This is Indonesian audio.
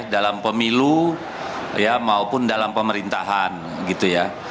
dalam pemilu ya maupun dalam pemerintahan gitu ya